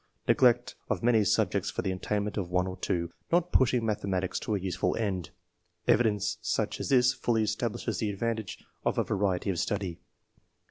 "^" Neglect of many subjects for the attainment of one or two; not pushing 254 ENGLISH MEN OF SCIENCE. [chap. mathematics to a useful end.'' Evidence such as this, fully establishes the advantage of a variety of study.